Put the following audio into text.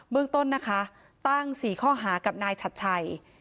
เรื่องต้นนะคะตั้ง๔ข้อหากับนายชัดชัย